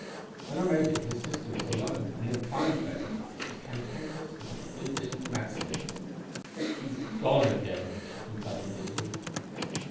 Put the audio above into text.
"When I made it, his sister was alone, and in fine fettle, as cantankerous as a flea bitten mastiff. "'He's gone again,' she complained bitterly.